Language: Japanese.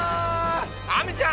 亜美ちゃん！